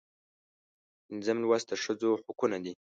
پنځم لوست د ښځو حقونه دي.